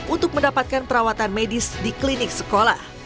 untuk mendapatkan perawatan medis di klinik sekolah